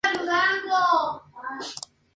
Padeció dos atentados y su vida estuvo en riesgo.